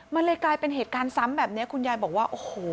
มันเลยกลายเป็นเหตุการณ์ซ้ำแบบนี้คุณยายบอกว่าโอ้โห